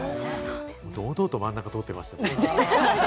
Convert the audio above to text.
堂々と真ん中を通ってましたね。